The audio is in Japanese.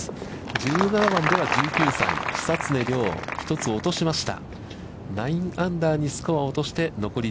１７番では１９歳久常涼１つ落としました。